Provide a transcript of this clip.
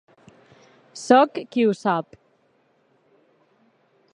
Soc qui ho sap.